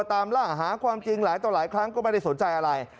ตามราหาความจริงหลายครั้งก็ไม่ได้สนใจอะไร